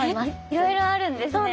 いろいろあるんですね。